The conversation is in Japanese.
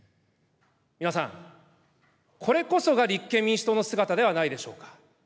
皆さん、これこそが立憲民主党の姿ではないでしょうか。